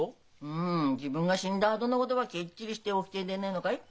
うん自分が死んだあとのことはきっちりしておきてえんでねえのかい？